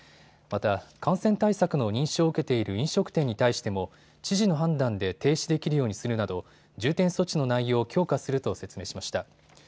また、感染対策の認証を受けている飲食店に対しても、知事の判断で停止できるようにするなど、重点措置の内容を強化すると説明しました。